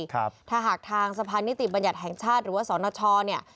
ถ้าหากทางสะพานนิติบัญญัติแห่งชาติหรือว่าสนชเนี่ย